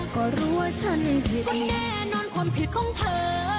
ก็รู้ว่าฉันก็แน่นอนความผิดของเธอ